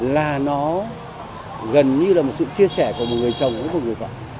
là nó gần như là một sự chia sẻ của một người chồng với một người vợ